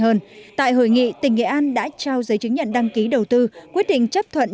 hơn tại hội nghị tỉnh nghệ an đã trao giấy chứng nhận đăng ký đầu tư quyết định chấp thuận